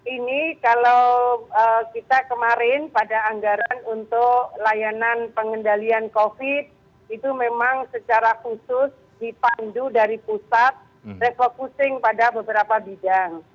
ini kalau kita kemarin pada anggaran untuk layanan pengendalian covid itu memang secara khusus dipandu dari pusat refocusing pada beberapa bidang